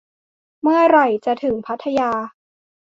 เมื่อไหร่จะถึงพัทยา